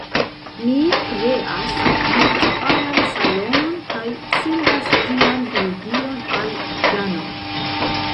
Mi kreas virtualan salonon, kaj sendas ĝian ligilon al Dano.